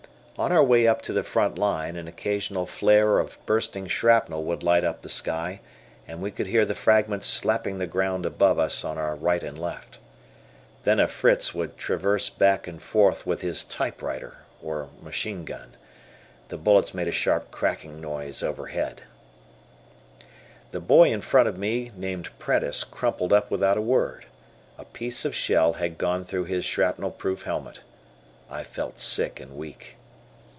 On our way up to the front line an occasional flare of bursting shrapnel would light up the sky and we could hear the fragments slapping the ground above us on our right and left. Then a Fritz would traverse back and forth with his "typewriter" or machine gun. The bullets made a sharp cracking noise overhead. {Illustration: Diagram Showing Typical Front Line and Communication Trenches.} The boy in front of me named Prentice crumpled up without a word. A piece of shell had gone through his shrapnel proof helmet. I felt sick and weak.